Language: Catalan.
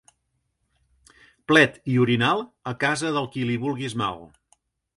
Plet i orinal, a casa del que li vulguis mal.